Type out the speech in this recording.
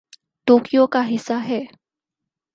Tokyo کا حصہ ہے